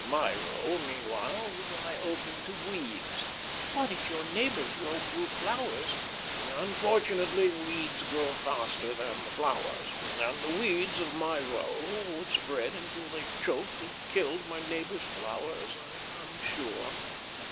My row, meanwhile, would lie open to weeds." "But if your neighbour's row grew flowers?" "Unfortunately weeds grow faster than the flowers, and the weeds of my row would spread until they choked and killed my neighbour's flowers, I am sure."